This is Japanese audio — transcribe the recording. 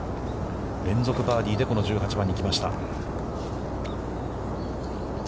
連続バーディーで、この１８番に来ました。